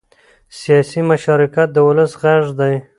سیاسي مشارکت د ولس غږ دی